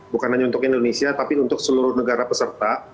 bukan hanya untuk indonesia tapi untuk seluruh negara peserta